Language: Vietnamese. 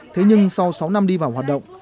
thế nhưng sau sáu năm đi vào hoạt động